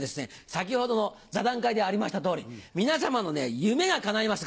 先ほどの座談会でありました通り皆様の夢が叶いますから。